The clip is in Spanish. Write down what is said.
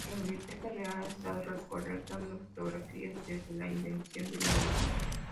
La Biblioteca Real ha estado recolectando fotografías desde la invención de la misma.